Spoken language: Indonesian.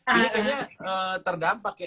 ini kayaknya terdampak ya